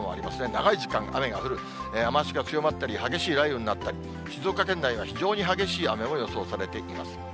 長い時間、雨が降る、雨足が強まったり、激しい雷雨になったり、静岡県内が非常に激しい雨も予想されています。